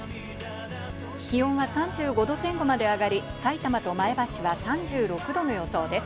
気温は３５℃前後まで上がり、埼玉と前橋は３６度の予想です。